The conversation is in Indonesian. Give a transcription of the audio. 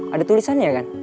ada tulisannya ya kan